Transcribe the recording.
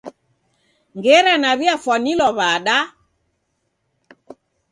Ngera naw'iafwanilwa wada?